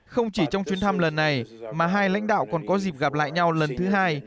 không chỉ trong chuyến thăm lần này mà hai lãnh đạo còn có dịp gặp lại nhau lần thứ hai